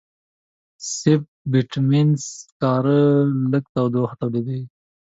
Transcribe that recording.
سب بټومینس سکاره لږ تودوخه تولیدوي.